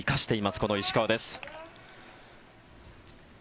この石川です。